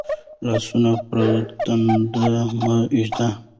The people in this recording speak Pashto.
لاسونه پر تندي مه ږده.